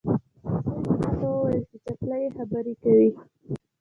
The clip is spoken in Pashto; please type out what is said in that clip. زوی مې ماته وویل چې چپلۍ یې خبرې کوي.